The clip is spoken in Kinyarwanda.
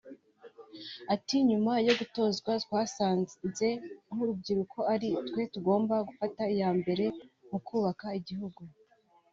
Ati” Nyuma yo gutozwa twasanze nk’urubyiruko ari twe tugomba gufata iya mbere mu kubaka igihugu